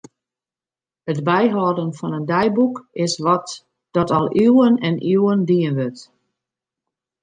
It byhâlden fan in deiboek is wat dat al iuwen en iuwen dien wurdt.